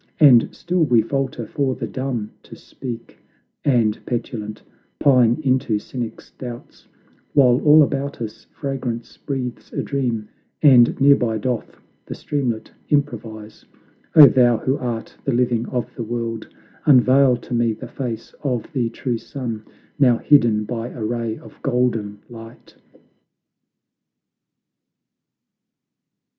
And still we falter for the dumb to speak, And petulant, pine into cynic's doubts, While all about us fragrance breathes a dream, And nearby doth the streamlet improvise! O thou who art the living of the world, Unveil to me the face of the true sun, Now hidden by a ray of golden light."